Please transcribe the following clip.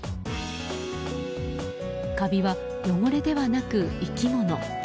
カビは汚れではなく生き物。